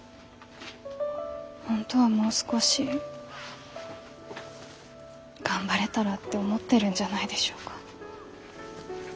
本当はもう少し頑張れたらって思ってるんじゃないでしょうか？